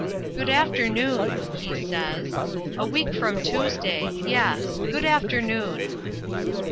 "Good afternoon," he says. "A week from Tuesday yes good afternoon."